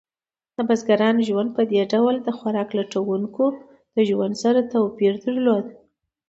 د بزګرانو ژوند په دې ډول د خوراک لټونکو ژوند سره توپیر درلود.